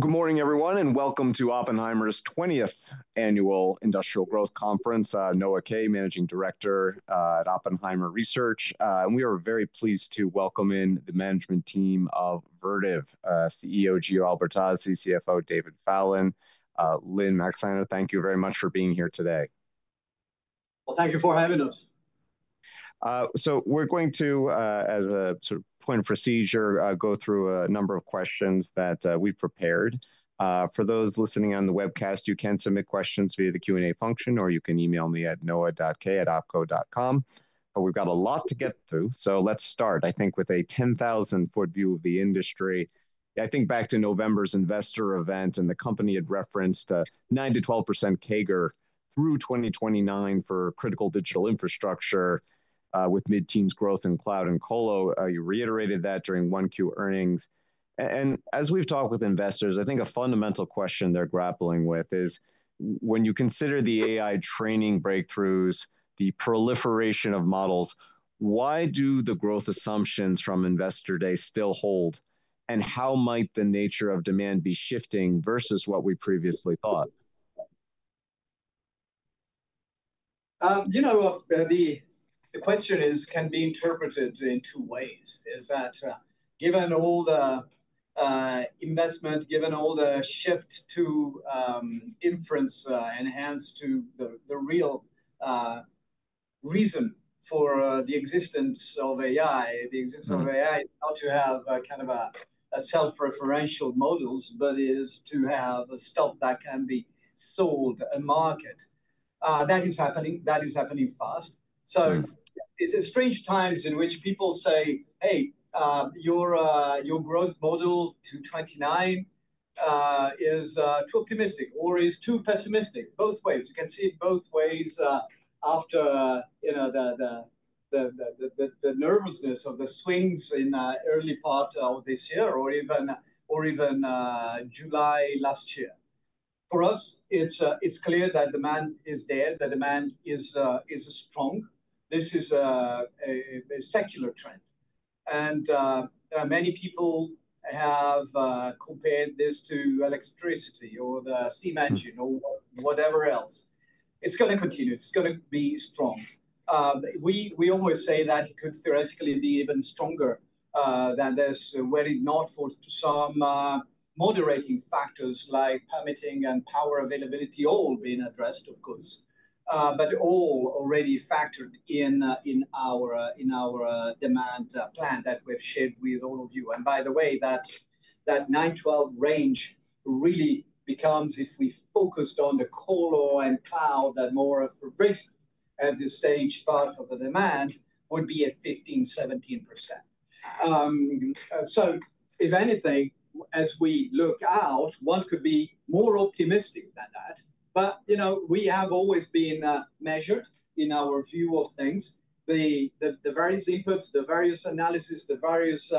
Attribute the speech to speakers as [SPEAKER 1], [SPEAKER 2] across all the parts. [SPEAKER 1] Good morning, everyone, and welcome to Oppenheimer's 20th Annual Industrial Growth Conference. I'm Noah Kaye, Managing Director at Oppenheimer Research, and we are very pleased to welcome in the management team of Vertiv, CEO Giordano Albertazzi, CFO David Fallon, Lynne Maxeiner. Thank you very much for being here today.
[SPEAKER 2] Thank you for having us.
[SPEAKER 1] We're going to, as a sort of point of procedure, go through a number of questions that we've prepared. For those listening on the webcast, you can submit questions via the Q&A function, or you can email me at noah.kaye@opco.com. We've got a lot to get through. Let's start, I think, with a 10,000-foot view of the industry. I think back to November's investor event, and the company had referenced 9-12% CAGR through 2029 for critical digital infrastructure with mid-teens growth in cloud and colo. You reiterated that during Q1 earnings. As we've talked with investors, I think a fundamental question they're grappling with is, when you consider the AI training breakthroughs, the proliferation of models, why do the growth assumptions from investor day still hold? How might the nature of demand be shifting versus what we previously thought?
[SPEAKER 2] You know, the question can be interpreted in two ways. Is that given all the investment, given all the shift to inference, enhanced to the real reason for the existence of AI, the existence of AI, not to have kind of self-referential models, but is to have a stock that can be sold a market. That is happening. That is happening fast. It's strange times in which people say, hey, your growth model to 2029 is too optimistic or is too pessimistic. Both ways. You can see both ways after the nervousness of the swings in the early part of this year or even July last year. For us, it's clear that demand is there. The demand is strong. This is a secular trend. Many people have compared this to electricity or the steam engine or whatever else. It's going to continue. It's going to be strong. We always say that it could theoretically be even stronger than this were it not for some moderating factors like permitting and power availability all being addressed, of course, but all already factored in our demand plan that we've shared with all of you. By the way, that 9-12% range really becomes, if we focused on the colo and cloud, that more of risk at this stage part of the demand would be at 15-17%. If anything, as we look out, one could be more optimistic than that. We have always been measured in our view of things. The various inputs, the various analysis, the various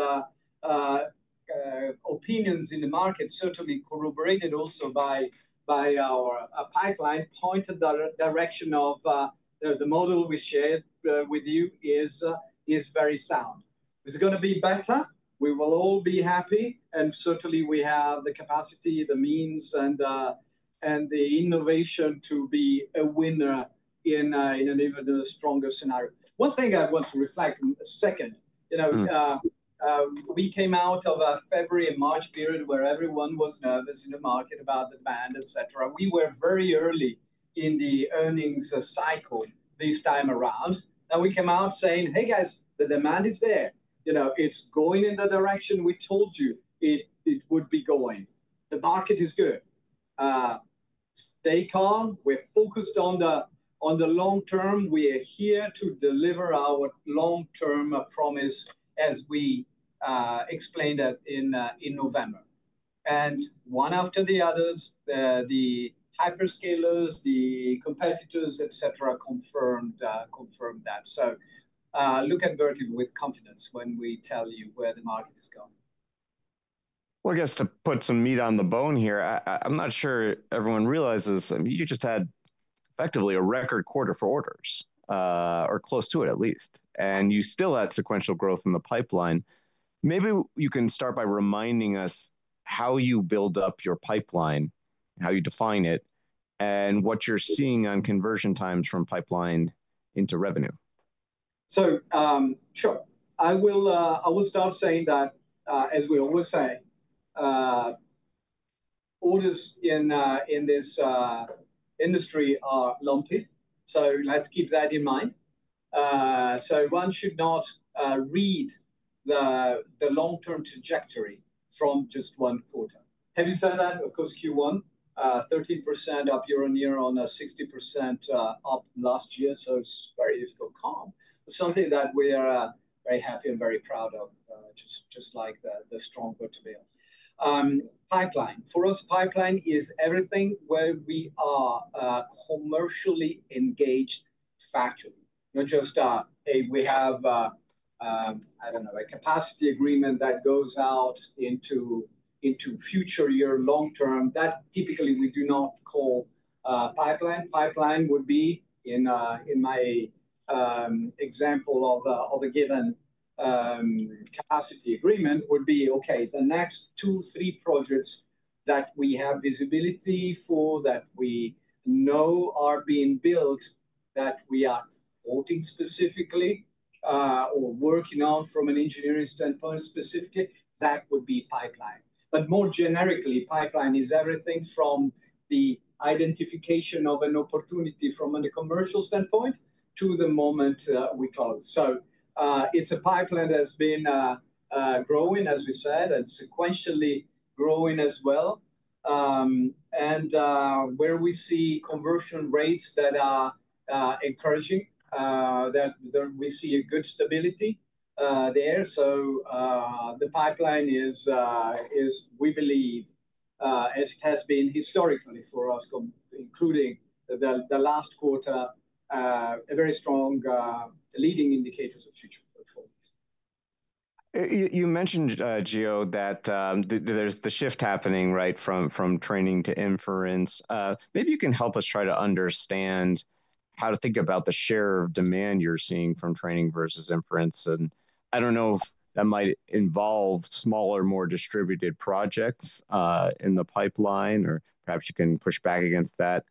[SPEAKER 2] opinions in the market certainly corroborated also by our pipeline pointed the direction of the model we shared with you is very sound. It's going to be better. We will all be happy. Certainly, we have the capacity, the means, and the innovation to be a winner in an even stronger scenario. One thing I want to reflect on a second. We came out of a February and March period where everyone was nervous in the market about the demand, et cetera. We were very early in the earnings cycle this time around. We came out saying, hey, guys, the demand is there. It's going in the direction we told you it would be going. The market is good. Stay calm. We're focused on the long term. We are here to deliver our long-term promise as we explained that in November. One after the other, the hyperscalers, the competitors, et cetera, confirmed that. Look at Vertiv with confidence when we tell you where the market is going.
[SPEAKER 1] I guess to put some meat on the bone here, I'm not sure everyone realizes you just had effectively a record quarter for orders or close to it at least. You still had sequential growth in the pipeline. Maybe you can start by reminding us how you build up your pipeline, how you define it, and what you're seeing on conversion times from pipeline into revenue.
[SPEAKER 2] Sure. I will start saying that, as we always say, orders in this industry are lumpy. Let's keep that in mind. One should not read the long-term trajectory from just one quarter. Have you seen that? Of course, Q1, 13% up year on year, on a 60% up last year. It is very difficult. Calm. Something that we are very happy and very proud of, just like the strong Vertiv pipeline. For us, pipeline is everything where we are commercially engaged factory, not just we have, I do not know, a capacity agreement that goes out into future year long term. That typically we do not call pipeline. Pipeline would be, in my example of a given capacity agreement, would be, okay, the next two, three projects that we have visibility for that we know are being built, that we are quoting specifically or working on from an engineering standpoint specifically, that would be pipeline. More generically, pipeline is everything from the identification of an opportunity from a commercial standpoint to the moment we close. It is a pipeline that's been growing, as we said, and sequentially growing as well. We see conversion rates that are encouraging, that we see a good stability there. The pipeline is, we believe, as it has been historically for us, including the last quarter, a very strong leading indicator of future performance.
[SPEAKER 1] You mentioned, Giordano, that there's the shift happening right from training to inference. Maybe you can help us try to understand how to think about the share of demand you're seeing from training versus inference. I don't know if that might involve smaller, more distributed projects in the pipeline, or perhaps you can push back against that.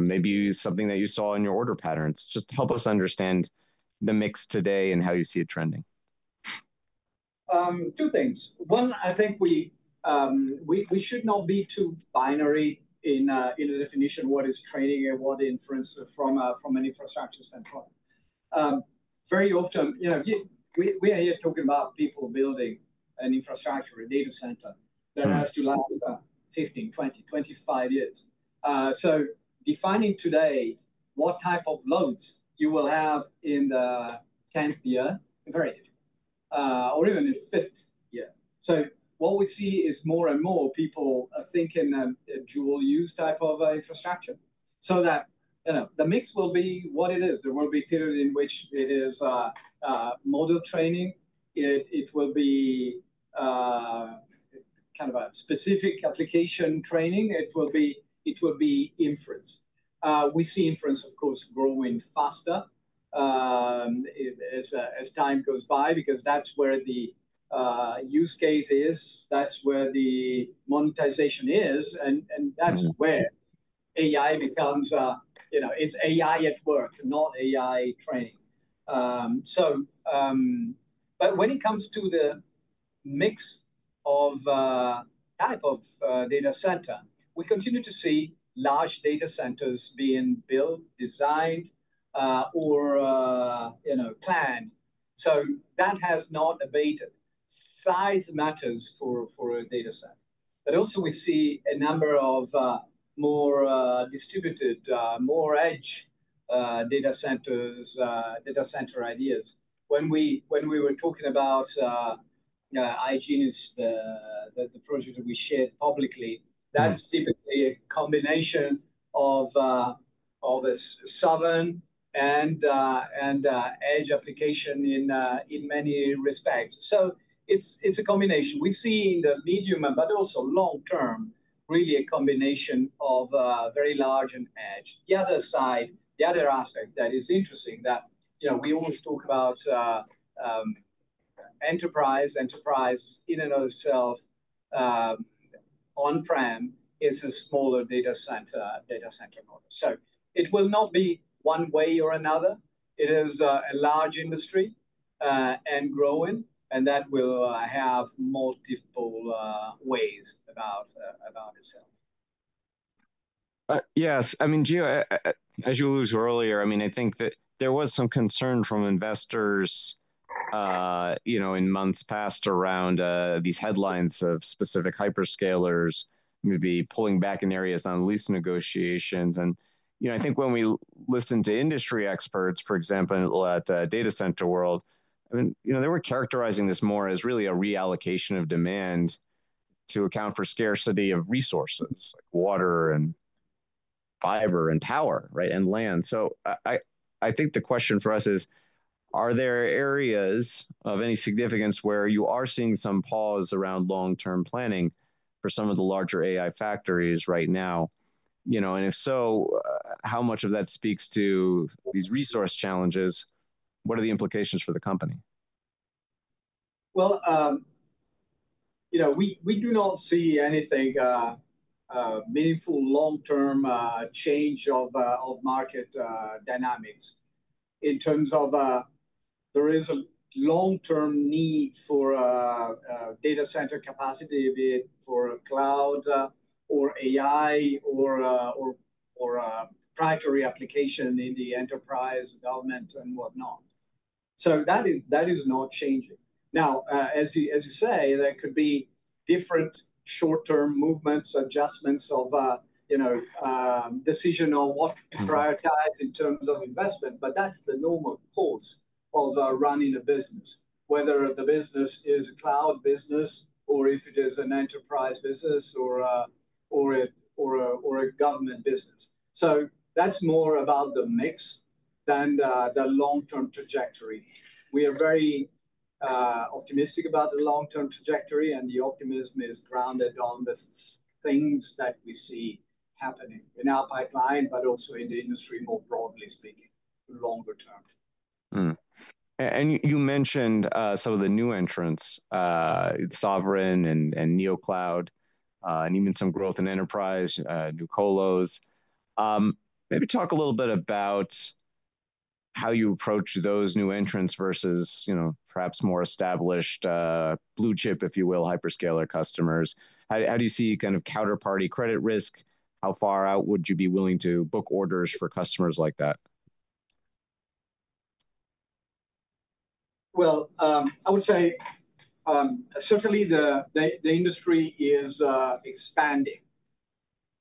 [SPEAKER 1] Maybe something that you saw in your order patterns. Just help us understand the mix today and how you see it trending.
[SPEAKER 2] Two things. One, I think we should not be too binary in the definition of what is training and what is inference from an infrastructure standpoint. Very often, we are here talking about people building an infrastructure, a data center that has to last 15, 20, 25 years. Defining today what type of loads you will have in the 10th year is very difficult, or even in the fifth year. What we see is more and more people are thinking dual-use type of infrastructure, so that the mix will be what it is. There will be a period in which it is model training. It will be kind of a specific application training. It will be inference. We see inference, of course, growing faster as time goes by because that's where the use case is. That's where the monetization is. That's where AI becomes, it's AI at work, not AI training. When it comes to the mix of type of data center, we continue to see large data centers being built, designed, or planned. That has not abated. Size matters for a data center. We also see a number of more distributed, more edge data centers, data center ideas. When we were talking about iGenius, the project that we shared publicly, that's typically a combination of a southern and edge application in many respects. It's a combination. We see in the medium and also long term, really a combination of very large and edge. The other side, the other aspect that is interesting, is that we always talk about enterprise. Enterprise in and of itself, on-prem, is a smaller data center model. It will not be one way or another. It is a large industry and growing. That will have multiple ways about itself.
[SPEAKER 1] Yes. I mean, Giordano, as you alluded to earlier, I mean, I think that there was some concern from investors in months past around these headlines of specific hyperscalers maybe pulling back in areas on lease negotiations. I think when we listen to industry experts, for example, at the Data Center World, I mean, they were characterizing this more as really a reallocation of demand to account for scarcity of resources like water and fiber and power and land. I think the question for us is, are there areas of any significance where you are seeing some pause around long-term planning for some of the larger AI factories right now? If so, how much of that speaks to these resource challenges? What are the implications for the company?
[SPEAKER 2] We do not see anything meaningful long-term change of market dynamics in terms of there is a long-term need for data center capacity for cloud or AI or proprietary application in the enterprise development and whatnot. That is not changing. Now, as you say, there could be different short-term movements, adjustments of decision on what to prioritize in terms of investment. That is the normal course of running a business, whether the business is a cloud business or if it is an enterprise business or a government business. That is more about the mix than the long-term trajectory. We are very optimistic about the long-term trajectory. The optimism is grounded on the things that we see happening in our pipeline, but also in the industry more broadly speaking longer term.
[SPEAKER 1] You mentioned some of the new entrants, Sovereign and NeoCloud, and even some growth in enterprise, new colos. Maybe talk a little bit about how you approach those new entrants versus perhaps more established blue chip, if you will, hyperscaler customers. How do you see kind of counterparty credit risk? How far out would you be willing to book orders for customers like that?
[SPEAKER 2] I would say certainly the industry is expanding.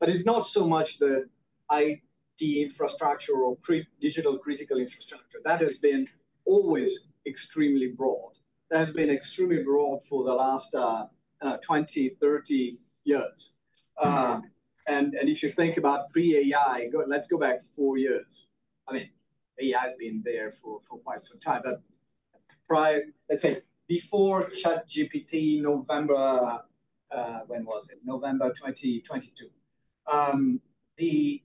[SPEAKER 2] It is not so much the IT infrastructure or digital critical infrastructure. That has been always extremely broad. That has been extremely broad for the last 20, 30 years. If you think about pre-AI, let's go back four years. I mean, AI has been there for quite some time. Let's say before ChatGPT, November, when was it? November 2022. The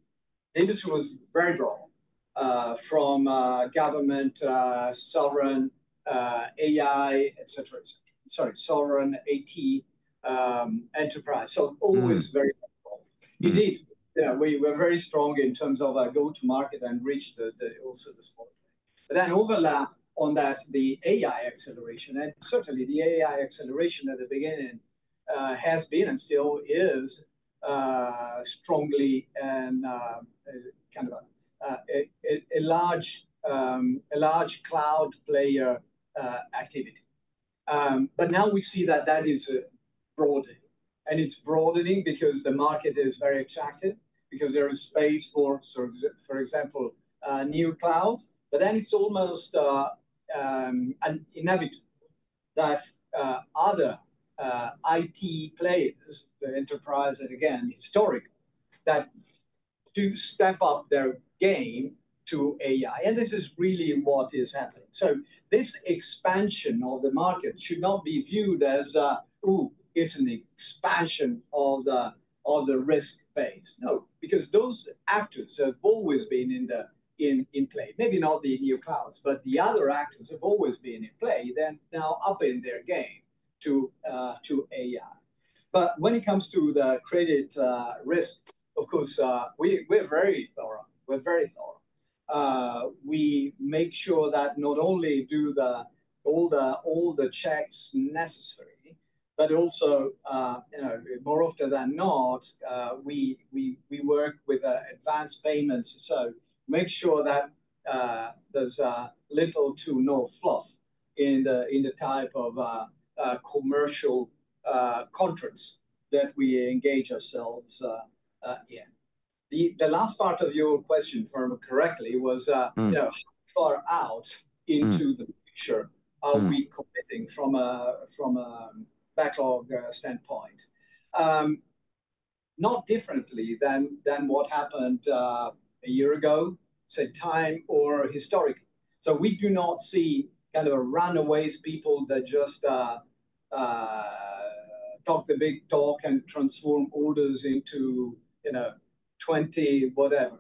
[SPEAKER 2] industry was very broad from government, Sovereign, AI, et cetera, et cetera. Sorry, Sovereign, IT, enterprise. Always very broad. Indeed, we were very strong in terms of our go-to-market and reach also the smaller player. Overlap on that, the AI acceleration. Certainly the AI acceleration at the beginning has been and still is strongly and kind of a large cloud player activity. Now we see that that is broadening. It is broadening because the market is very attractive because there is space for, for example, new clouds. It is almost inevitable that other IT players, the enterprise and again, historically, that do step up their game to AI. This is really what is happening. This expansion of the market should not be viewed as, oh, it is an expansion of the risk base. No, because those actors have always been in play. Maybe not the new clouds, but the other actors have always been in play. They are now upping their game to AI. When it comes to the credit risk, of course, we are very thorough. We are very thorough. We make sure that not only do all the checks necessary, but also more often than not, we work with advanced payments. Make sure that there's little to no fluff in the type of commercial contracts that we engage ourselves in. The last part of your question, if I remember correctly, was how far out into the future are we committing from a backlog standpoint? Not differently than what happened a year ago, say, time or historically. We do not see kind of a runaway, people that just talk the big talk and transform orders into 2020, whatever.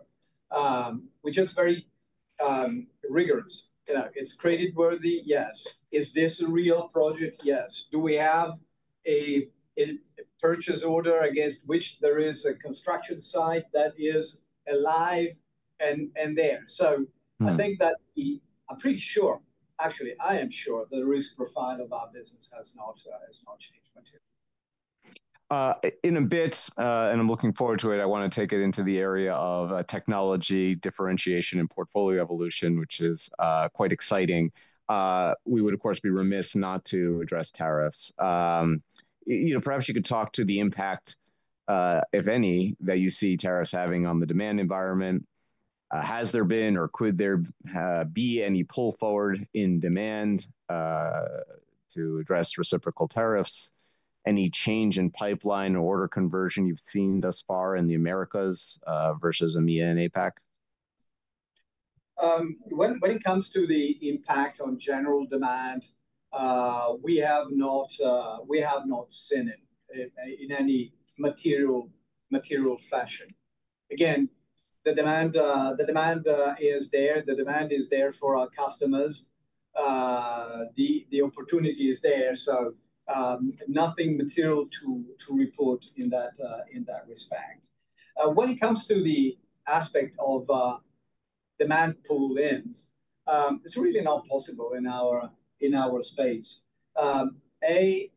[SPEAKER 2] We're just very rigorous. It's credit-worthy, yes. Is this a real project? Yes. Do we have a purchase order against which there is a construction site that is alive and there? I think that I'm pretty sure, actually, I am sure the risk profile of our business has not changed as much.
[SPEAKER 1] In a bit, and I'm looking forward to it, I want to take it into the area of technology differentiation and portfolio evolution, which is quite exciting. We would, of course, be remiss not to address tariffs. Perhaps you could talk to the impact, if any, that you see tariffs having on the demand environment. Has there been or could there be any pull forward in demand to address reciprocal tariffs? Any change in pipeline or order conversion you've seen thus far in the Americas versus EMEA and APAC?
[SPEAKER 2] When it comes to the impact on general demand, we have not seen it in any material fashion. Again, the demand is there. The demand is there for our customers. The opportunity is there. Nothing material to report in that respect. When it comes to the aspect of demand pull-ins, it is really not possible in our space. A,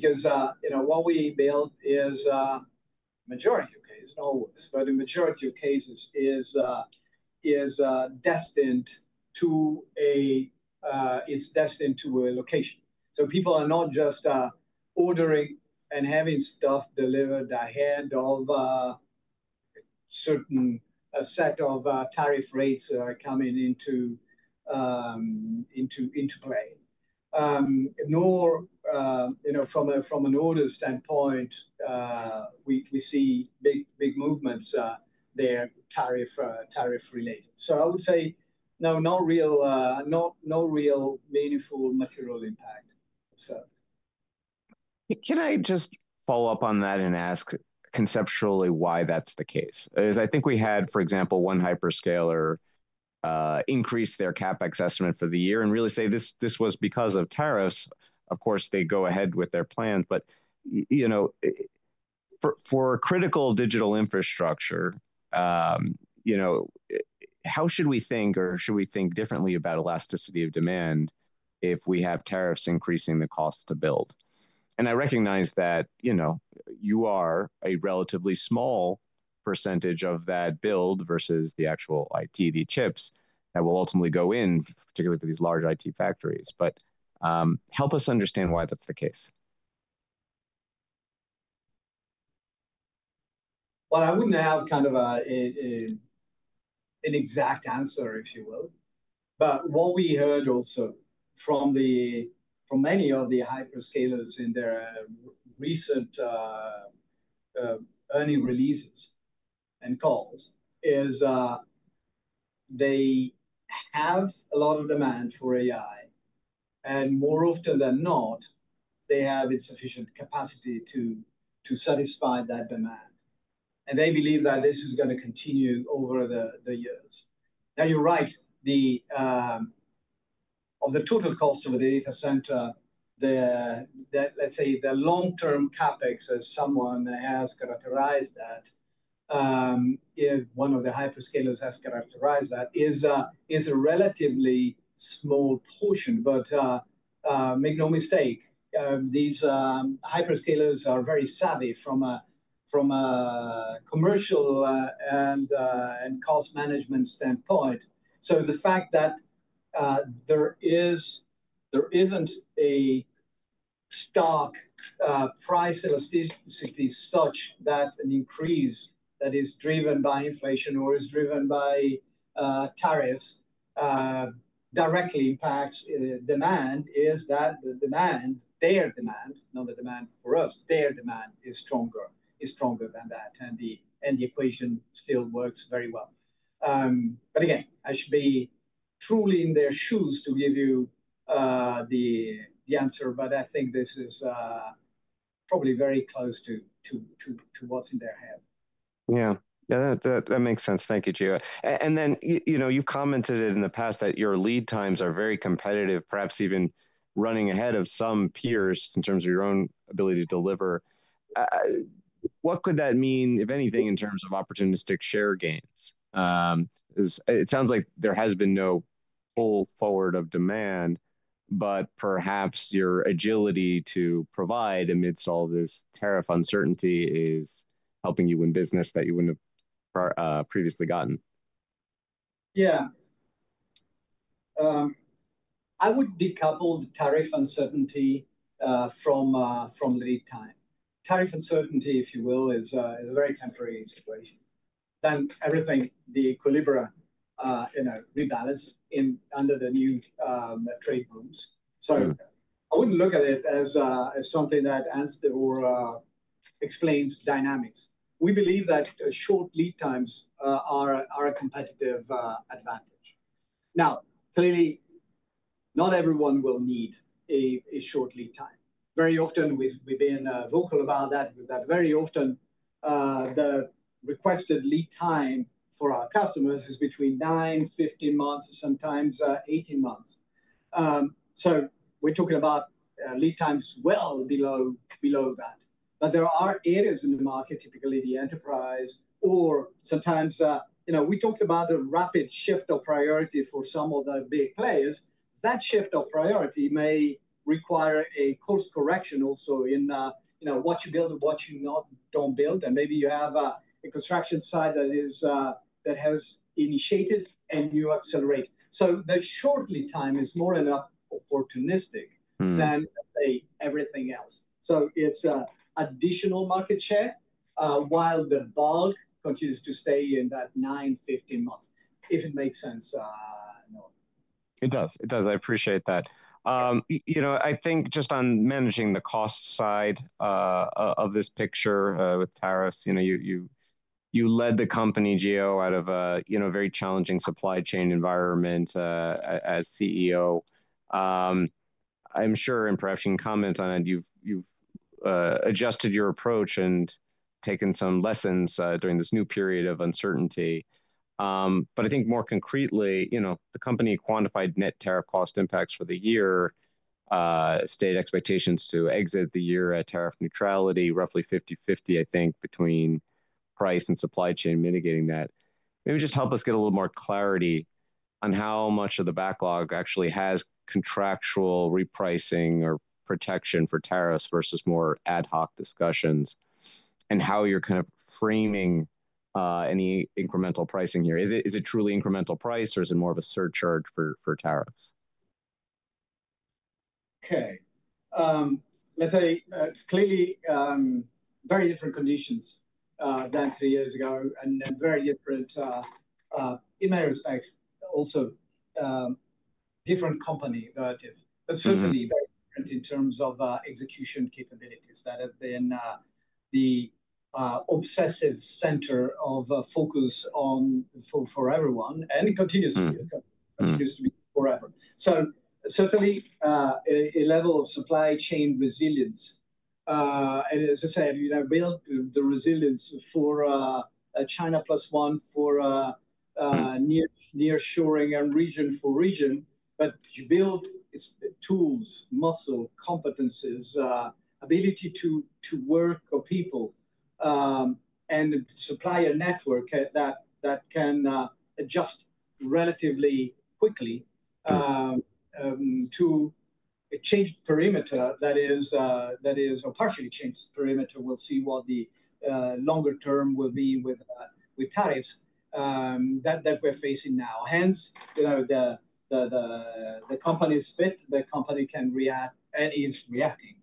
[SPEAKER 2] because what we build is, in the majority of cases, always, but in the majority of cases is destined to a location. People are not just ordering and having stuff delivered ahead of a certain set of tariff rates coming into play. Nor from an order standpoint do we see big movements there tariff-related. I would say no real meaningful material impact.
[SPEAKER 1] Can I just follow up on that and ask conceptually why that's the case? Because I think we had, for example, one hyperscaler increase their CapEx estimate for the year and really say this was because of tariffs. Of course, they go ahead with their plans. For critical digital infrastructure, how should we think or should we think differently about elasticity of demand if we have tariffs increasing the cost to build? I recognize that you are a relatively small percentage of that build versus the actual IT, the chips that will ultimately go in, particularly for these large IT factories. Help us understand why that's the case.
[SPEAKER 2] I would not have kind of an exact answer, if you will. What we heard also from many of the hyperscalers in their recent earning releases and calls is they have a lot of demand for AI. More often than not, they have insufficient capacity to satisfy that demand. They believe that this is going to continue over the years. You are right. Of the total cost of a data center, let's say the long-term CapEx, as someone has characterized that, one of the hyperscalers has characterized that, is a relatively small portion. Make no mistake, these hyperscalers are very savvy from a commercial and cost management standpoint. The fact that there isn't a stock price elasticity such that an increase that is driven by inflation or is driven by tariffs directly impacts demand is that the demand, their demand, not the demand for us, their demand is stronger than that. The equation still works very well. Again, I should be truly in their shoes to give you the answer. I think this is probably very close to what's in their head.
[SPEAKER 1] Yeah. Yeah, that makes sense. Thank you, Giordano. You have commented in the past that your lead times are very competitive, perhaps even running ahead of some peers in terms of your own ability to deliver. What could that mean, if anything, in terms of opportunistic share gains? It sounds like there has been no pull forward of demand. Perhaps your agility to provide amidst all this tariff uncertainty is helping you win business that you would not have previously gotten.
[SPEAKER 2] Yeah. I would decouple the tariff uncertainty from lead time. Tariff uncertainty, if you will, is a very temporary situation. Everything, the equilibrium, rebalance under the new trade rules. I would not look at it as something that answers or explains dynamics. We believe that short lead times are a competitive advantage. Now, clearly, not everyone will need a short lead time. Very often, we've been vocal about that, but very often, the requested lead time for our customers is between 9-15 months, and sometimes 18 months. We are talking about lead times well below that. There are areas in the market, typically the enterprise or sometimes we talked about the rapid shift of priority for some of the big players. That shift of priority may require a course correction also in what you build and what you do not build. Maybe you have a construction site that has initiated and you accelerate. The short lead time is more opportunistic than everything else. It is additional market share while the bulk continues to stay in that 9-15 months, if it makes sense in order.
[SPEAKER 1] It does. It does. I appreciate that. I think just on managing the cost side of this picture with tariffs, you led the company, Gio, out of a very challenging supply chain environment as CEO. I'm sure, and perhaps you can comment on it, you've adjusted your approach and taken some lessons during this new period of uncertainty. I think more concretely, the company quantified net tariff cost impacts for the year, stated expectations to exit the year at tariff neutrality, roughly 50/50, I think, between price and supply chain mitigating that. Maybe just help us get a little more clarity on how much of the backlog actually has contractual repricing or protection for tariffs versus more ad hoc discussions and how you're kind of framing any incremental pricing here. Is it truly incremental price, or is it more of a surcharge for tariffs?
[SPEAKER 2] Okay. Let's say clearly very different conditions than three years ago and very different in many respects, also different company relative. Certainly very different in terms of execution capabilities that have been the obsessive center of focus for everyone and continues to be forever. Certainly a level of supply chain resilience. As I said, build the resilience for China plus one for nearshoring and region for region. You build tools, muscle, competencies, ability to work with people, and supply a network that can adjust relatively quickly to a changed perimeter that is a partially changed perimeter. We will see what the longer term will be with tariffs that we are facing now. Hence, the company's fit, the company can react, and is reacting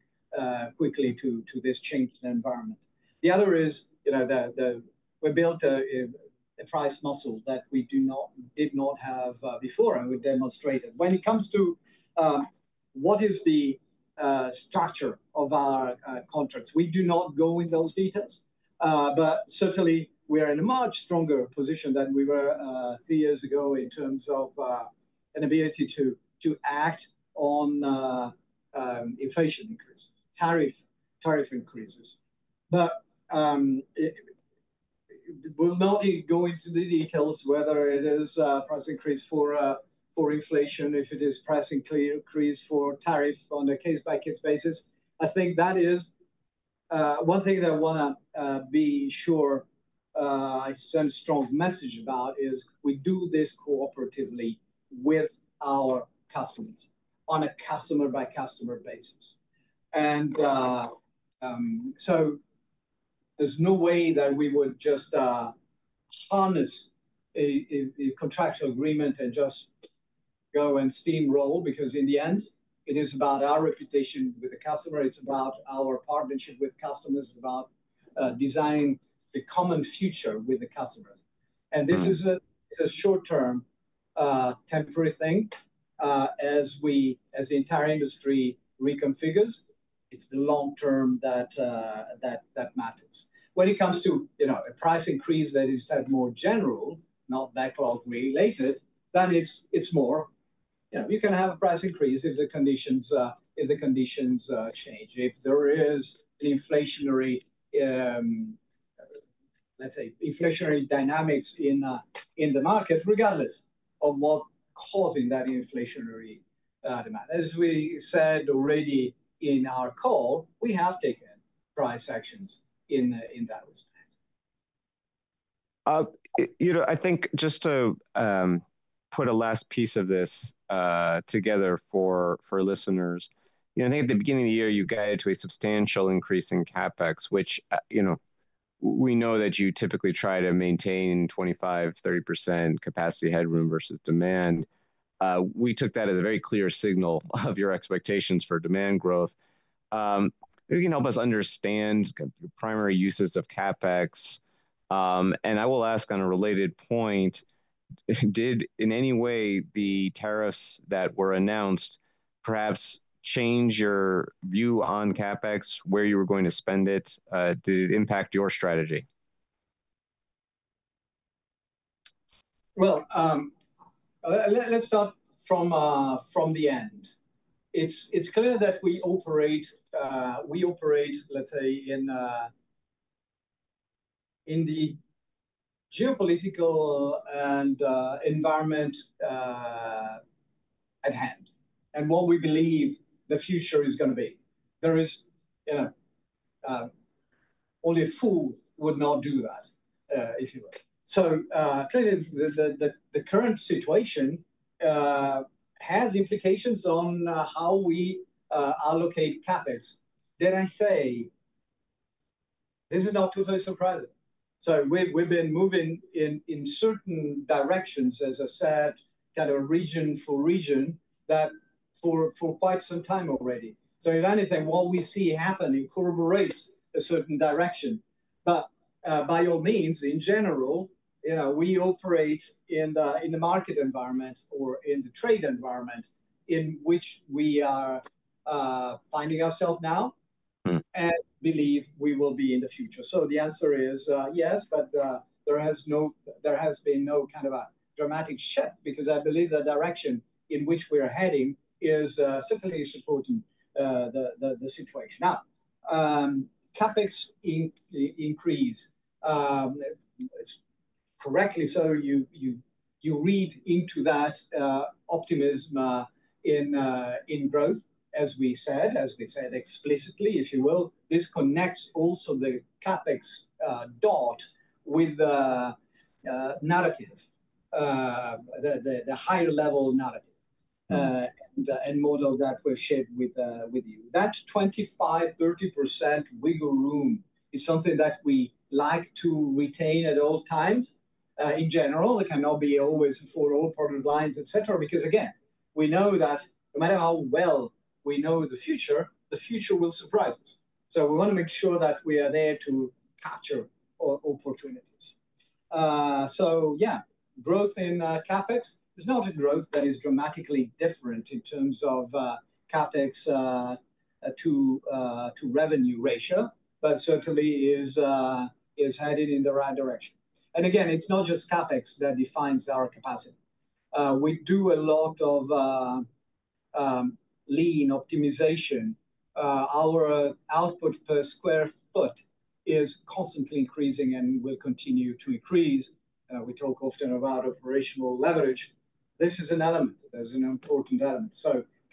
[SPEAKER 2] quickly to this changed environment. The other is we built a price muscle that we did not have before and we demonstrated. When it comes to what is the structure of our contracts, we do not go in those details. Certainly, we are in a much stronger position than we were three years ago in terms of an ability to act on inflation increases, tariff increases. We will not go into the details whether it is a price increase for inflation, if it is pricing increase for tariff on a case-by-case basis. I think that is one thing that I want to be sure I send a strong message about is we do this cooperatively with our customers on a customer-by-customer basis. There is no way that we would just harness a contractual agreement and just go and steamroll because in the end, it is about our reputation with the customer. It is about our partnership with customers, about designing the common future with the customers. This is a short-term, temporary thing. As the entire industry reconfigures, it's the long term that matters. When it comes to a price increase that is more general, not backlog related, then it's more you can have a price increase if the conditions change, if there is an inflationary, let's say, inflationary dynamics in the market, regardless of what is causing that inflationary demand. As we said already in our call, we have taken price actions in that respect.
[SPEAKER 1] I think just to put a last piece of this together for listeners, I think at the beginning of the year, you guided to a substantial increase in CapEx, which we know that you typically try to maintain 25-30% capacity headroom versus demand. We took that as a very clear signal of your expectations for demand growth. You can help us understand your primary uses of CapEx. I will ask on a related point, did in any way the tariffs that were announced perhaps change your view on CapEx, where you were going to spend it? Did it impact your strategy?
[SPEAKER 2] Let's start from the end. It's clear that we operate, let's say, in the geopolitical and environment at hand and what we believe the future is going to be. Only a fool would not do that, if you will. Clearly, the current situation has implications on how we allocate CapEx. I say this is not totally surprising. We've been moving in certain directions, as I said, kind of region for region for quite some time already. If anything, what we see happening corroborates a certain direction. By all means, in general, we operate in the market environment or in the trade environment in which we are finding ourselves now and believe we will be in the future. The answer is yes, but there has been no kind of a dramatic shift because I believe the direction in which we are heading is certainly supporting the situation. Now, CapEx increase. Correctly, you read into that optimism in growth, as we said, as we said explicitly, if you will. This connects also the CapEx dot with the narrative, the higher level narrative, and more of that will shape with you. That 25-30% wiggle room is something that we like to retain at all times in general. It cannot be always for all product lines, et cetera, because again, we know that no matter how well we know the future, the future will surprise us. We want to make sure that we are there to capture opportunities. Yeah, growth in CapEx is not a growth that is dramatically different in terms of CapEx to revenue ratio, but certainly is headed in the right direction. Again, it's not just CapEx that defines our capacity. We do a lot of lean optimization. Our output per sq ft is constantly increasing and will continue to increase. We talk often about operational leverage. This is an element. There's an important element.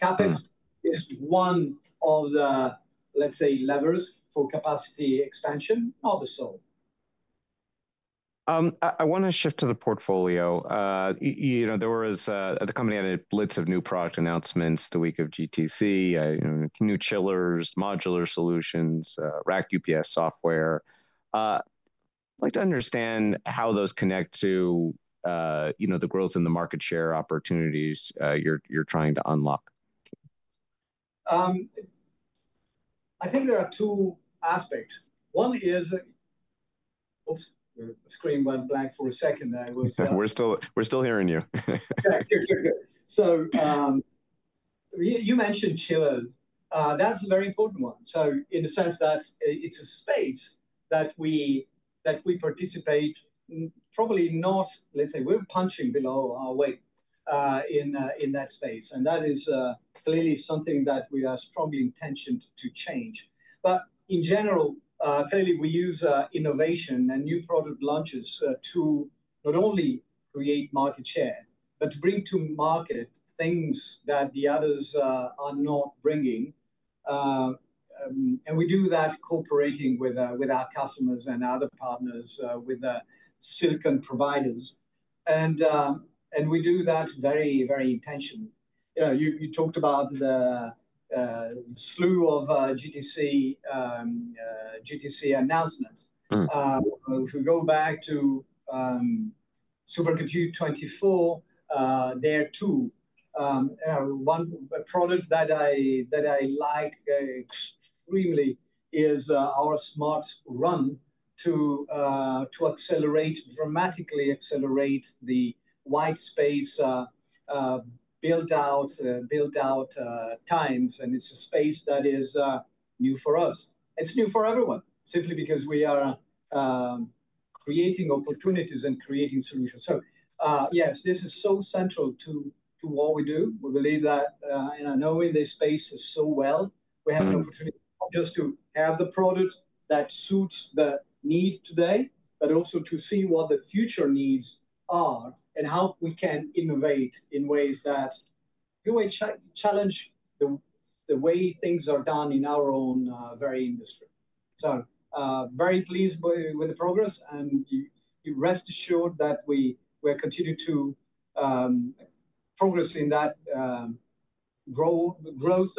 [SPEAKER 2] CapEx is one of the, let's say, levers for capacity expansion, not the sole.
[SPEAKER 1] I want to shift to the portfolio. The company had a blitz of new product announcements the week of GTC, new chillers, modular solutions, rack UPS software. I'd like to understand how those connect to the growth in the market share opportunities you're trying to unlock.
[SPEAKER 2] I think there are two aspects. One is, oops, the screen went blank for a second.
[SPEAKER 1] We're still hearing you.
[SPEAKER 2] You mentioned chillers. That's a very important one. In the sense that it's a space that we participate probably not, let's say, we're punching below our weight in that space. That is clearly something that we are strongly intentioned to change. In general, clearly, we use innovation and new product launches to not only create market share, but to bring to market things that the others are not bringing. We do that cooperating with our customers and other partners, with silicon providers. We do that very, very intentionally. You talked about the slew of GTC announcements. If we go back to Supercomputing 24, there too, one product that I like extremely is our SmartRow to accelerate, dramatically accelerate the white space build-out times. It's a space that is new for us. is new for everyone simply because we are creating opportunities and creating solutions. Yes, this is so central to what we do. We believe that in knowing this space so well, we have an opportunity not just to have the product that suits the need today, but also to see what the future needs are and how we can innovate in ways that really challenge the way things are done in our own very industry. Very pleased with the progress. Rest assured that we will continue to progress in that growth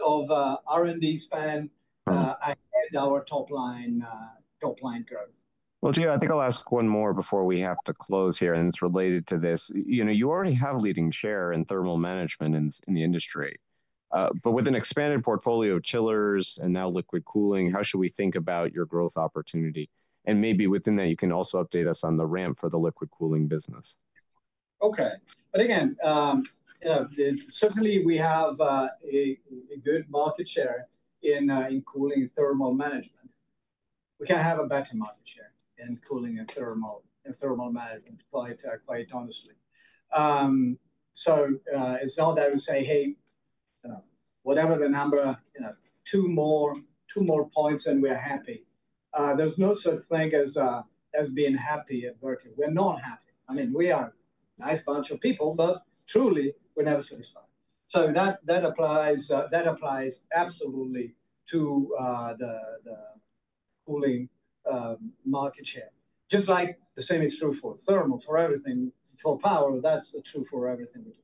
[SPEAKER 2] of R&D span and our top line growth.
[SPEAKER 1] Gio, I think I'll ask one more before we have to close here. It is related to this. You already have leading share in thermal management in the industry. With an expanded portfolio of chillers and now liquid cooling, how should we think about your growth opportunity? Maybe within that, you can also update us on the ramp for the liquid cooling business.
[SPEAKER 2] Okay. Again, certainly we have a good market share in cooling thermal management. We can't have a better market share in cooling and thermal management, quite honestly. It's not that we say, hey, whatever the number, two more points and we're happy. There's no such thing as being happy at Vertiv. We're not happy. I mean, we are a nice bunch of people, but truly, we're never satisfied. That applies absolutely to the cooling market share. Just like the same is true for thermal, for everything, for power, that's true for everything we do.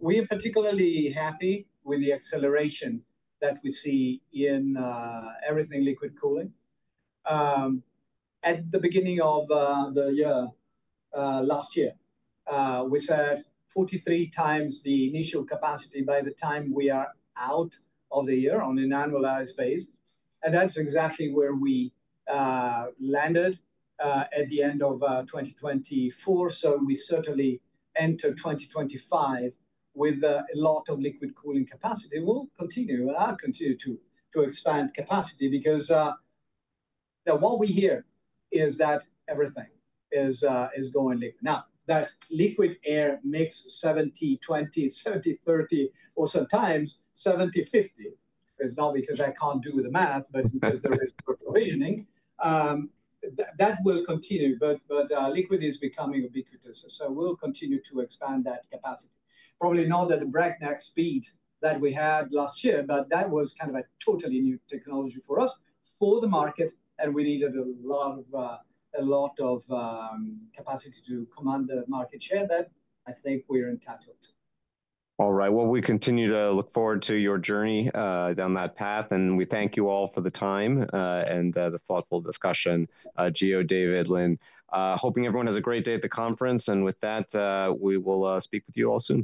[SPEAKER 2] We are particularly happy with the acceleration that we see in everything liquid cooling. At the beginning of the year last year, we said 43 times the initial capacity by the time we are out of the year on an annualized base. That's exactly where we landed at the end of 2024. We certainly enter 2025 with a lot of liquid cooling capacity. We'll continue and continue to expand capacity because what we hear is that everything is going liquid. Now, that liquid-air mix 70, 20, 70, 30, or sometimes 70, 50. It's not because I can't do the math, but because there is provisioning. That will continue. Liquid is becoming ubiquitous. We'll continue to expand that capacity. Probably not at the breakneck speed that we had last year, but that was kind of a totally new technology for us, for the market, and we needed a lot of capacity to command the market share that I think we're entitled to.
[SPEAKER 1] All right. We continue to look forward to your journey down that path. We thank you all for the time and the thoughtful discussion, Gio, David, Lynn. Hoping everyone has a great day at the conference. With that, we will speak with you also.